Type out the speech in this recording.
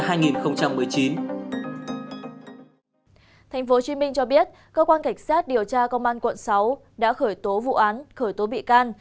thành phố hồ chí minh cho biết cơ quan cảnh sát điều tra công an quận sáu đã khởi tố vụ án khởi tố bị can